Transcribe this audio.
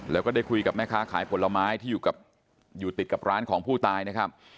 แล้วก็ได้คุยกับแม่ค้าขายผลไม้ที่อยู่ติดกับร้านของผู้ตายนะครับ